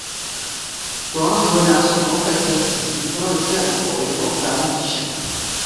Tón s dvojnásobnou frekvencí zní pro lidské ucho o jednu oktávu výše.